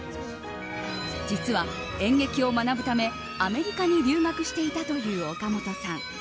実は、演劇を学ぶためアメリカに留学していたという岡本さん。